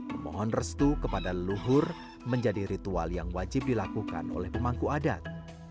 memohon restu kepada leluhur menjadi ritual yang wajib dilakukan oleh pemangku adat